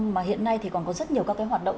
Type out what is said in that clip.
mà hiện nay thì còn có rất nhiều các cái hoạt động